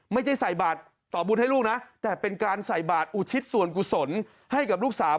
ไม่ใช่ใส่บาทต่อบุญให้ลูกนะแต่เป็นการใส่บาทอุทิศส่วนกุศลให้กับลูกสาว